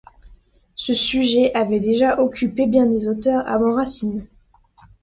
Ce sujet avait déjà occupé bien des auteurs avant Racine.